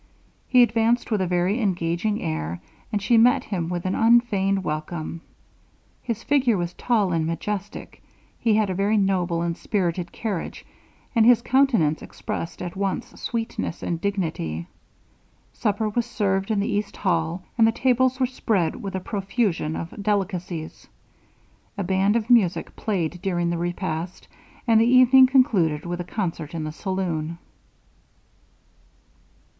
He advanced with a very engaging air, and she met him with an unfeigned welcome. His figure was tall and majestic; he had a very noble and spirited carriage; and his countenance expressed at once sweetness and dignity. Supper was served in the east hall, and the tables were spread with a profusion of delicacies. A band of music played during the repast, and the evening concluded with a concert in the saloon.